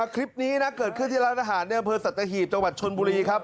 คลิปนี้เกิดขึ้นที่ร้านอาหารเพิร์ชสัตวิทย์จังหวัดชนบุรีครับ